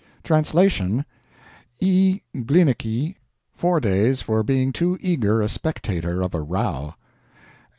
(TRANSLATION.) "E. Glinicke, four days for being too eager a spectator of a row."